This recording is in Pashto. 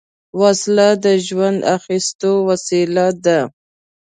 وسله د ژوند اخیستو وسیله ده